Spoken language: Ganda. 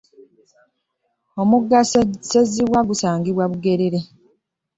Omugga sezibwa gusangibwa Bugerere.